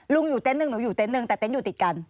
ลุงอยู่เต็นหนึ่งหนูอยู่เต็นหนึ่งแต่เต็นต์อยู่ติดกัน